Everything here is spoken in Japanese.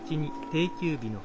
定休日に。